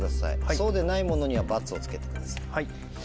そうでないものには「×」をつけてください。